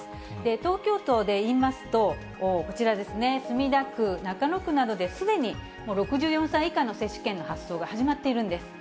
東京都でいいますと、こちらですね、墨田区、中野区などですでに６４歳以下の接種券の発送が始まっているんです。